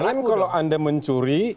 jangan kalau anda mencuri